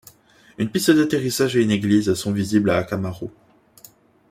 Une piste d'atterrissage et une église sont visibles à Hakamaru.